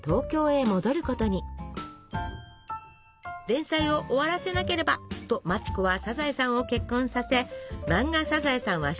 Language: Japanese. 「連載を終わらせなければ」と町子はサザエさんを結婚させ漫画「サザエさん」は終了！